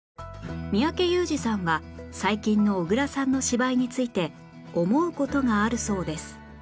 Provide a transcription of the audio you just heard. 三宅裕司さんは最近の小倉さんの芝居について思う事があるそうです